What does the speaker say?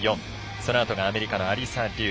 そのあとがアメリカのアリサ・リュウ。